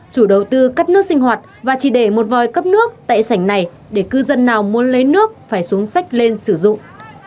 chủ đầu tư cắt nước sinh hoạt và chỉ để một vòi cấp nước tại sảnh này để cư dân nào muốn lấy nước phải xuống sách lên sử dụng